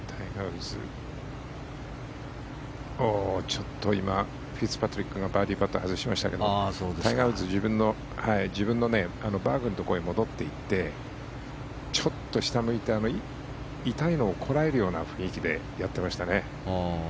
ちょっと今フィッツパトリックがバーディーパットを外しましたけどタイガー・ウッズバーグのところへ戻って行ってちょっと下を向いて痛いのをこらえるような雰囲気でやってましたね。